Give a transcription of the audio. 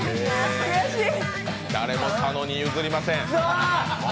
誰も佐野に譲りません。